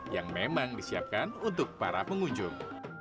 yang memang disiapkan untuk para pengunjung